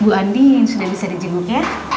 bu andien sudah bisa di jenguk ya